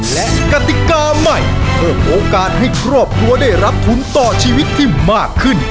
และกติกาใหม่เพิ่มโอกาสให้ครอบครัวได้รับทุนต่อชีวิตที่มากขึ้น